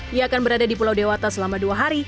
dia akan berada di pulau dewata selama dua hari